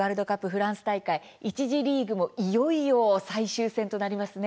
フランス大会、１次リーグもいよいよ最終戦ですね。